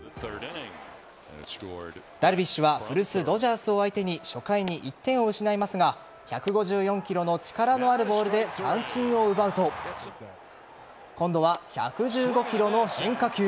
ダルビッシュは古巣・ドジャースを相手に初回に１点を失いますが１５４キロの力のあるボールで三振を奪うと今度は１１５キロの変化球。